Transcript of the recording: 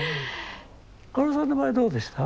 かおるさんの場合どうでした？